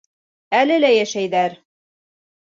Әле лә йәшәйҙәр.